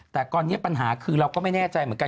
แต่ตอนนี้ปัญหาคือเราก็ไม่แน่ใจเหมือนกัน